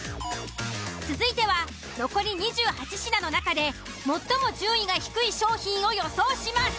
続いては残り２８品の中で最も順位が低い商品を予想します。